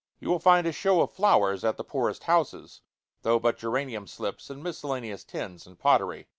You will find a show of flowers at the poorest houses, though but geranium slips in miscellaneous tins and pottery.